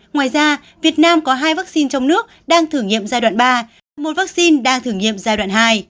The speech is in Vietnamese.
ngoài ra việt nam có hai vaccine trong nước đang thử nghiệm giai đoạn ba một vaccine đang thử nghiệm giai đoạn hai